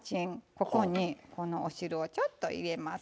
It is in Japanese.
ここにこのお汁をちょっと入れます。